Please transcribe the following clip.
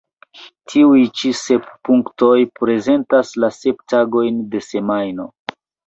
Tiuj ĉi sep punktoj prezentas la sep tagojn de semajno.